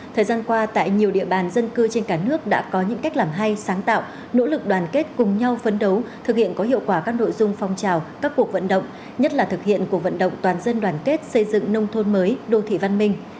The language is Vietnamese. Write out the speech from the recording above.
thời gian qua tại nhiều địa bàn dân cư trên cả nước đã có những cách làm hay sáng tạo nỗ lực đoàn kết cùng nhau phấn đấu thực hiện có hiệu quả các nội dung phong trào các cuộc vận động nhất là thực hiện cuộc vận động toàn dân đoàn kết xây dựng nông thôn mới đô thị văn minh